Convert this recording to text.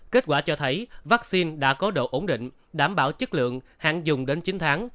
kết quả cho thấy vaccine đã có độ ổn định đảm bảo chất lượng hạn dùng đến chín tháng